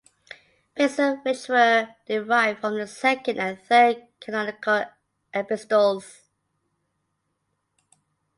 Basil which were derived from his second and third canonical epistles.